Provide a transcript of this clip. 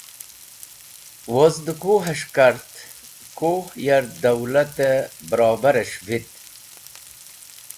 Woz dẽ kuh’s̃h kart kuh ya’r dawlat-e barobares̃h vit.